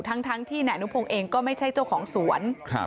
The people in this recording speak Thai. ทั้งที่นายอนุพงศ์เองก็ไม่ใช่เจ้าของสวน